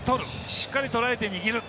しっかりとらえて握る。